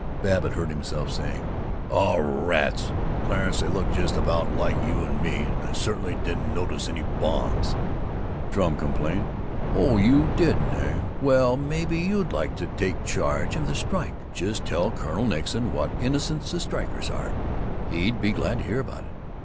Babbitt heard himself saying, "Oh, rats, Clarence, they look just about like you and me, and I certainly didn't notice any bombs." Drum complained, "Oh, you didn't, eh? Well, maybe you'd like to take charge of the strike! Just tell Colonel Nixon what innocents the strikers are! He'd be glad to hear about it!"